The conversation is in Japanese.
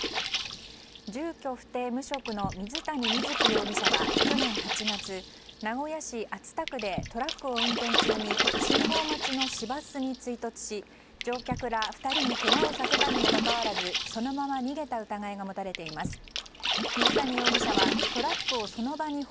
住居不定・無職の水谷瑞基容疑者は去年８月名古屋市熱田区でトラックを運転中に信号待ちの市バスに追突し乗客ら２人にけがをさせたにもかかわらずそのまま逃げた疑いが持たれています。